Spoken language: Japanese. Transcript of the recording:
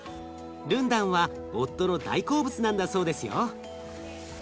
ルンダンは夫の大好物なんだそうですよ。